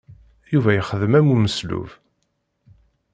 Yuba yexdem am umeslub.